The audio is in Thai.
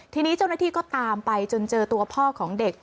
ทีนี้เจ้าหน้าที่ก็ตามไปจนเจอตัวพ่อของเด็ก